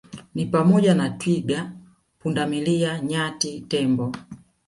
ni pamoja na twiga pundamilia nyati tembo